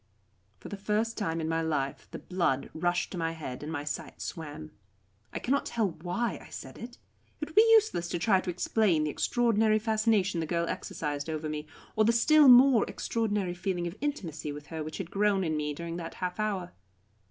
For the first time in my life the blood rushed to my head and my sight swam. I cannot tell why I said it. It would be useless to try to explain the extraordinary fascination the girl exercised over me, or the still more extraordinary feeling of intimacy with her which had grown in me during that half hour.